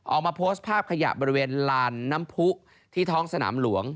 ออกมาโพสต์ภาพขยะบริเวณลานน้ำผู้ที่ท้องสนามหลวง